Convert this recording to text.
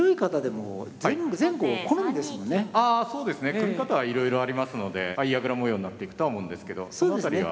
組み方はいろいろありますので相矢倉模様になっていくとは思うんですけどこの辺りは。